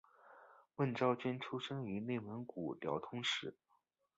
孟昭娟出生于内蒙古通辽市。